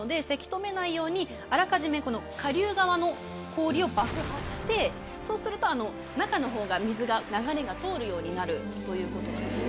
せき止めないようにあらかじめこの下流側の氷を爆破してそうすると中のほうが水が流れが通るようになるということなんです。